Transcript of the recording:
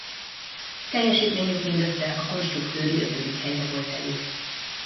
Teljesítményük mindössze a konstruktőri ötödik helyre volt elég.